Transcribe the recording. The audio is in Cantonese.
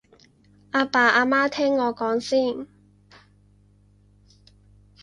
阿爸阿媽聽我講先